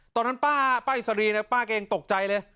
ตอนนั้นป้าอิสรีนะป้าแกยังตกใจเลย